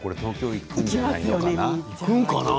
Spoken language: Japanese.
行くのかな？